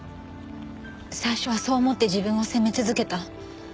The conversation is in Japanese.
最初はそう思って自分を責め続けた。